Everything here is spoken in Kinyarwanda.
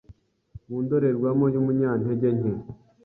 mu ndorerwamo y’umunyantege nke